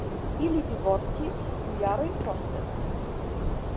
Ili divorcis du jarojn poste.